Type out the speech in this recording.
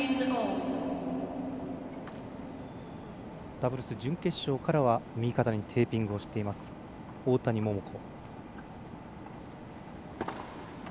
ダブルス準決勝から右肩にテーピングをしています大谷桃子。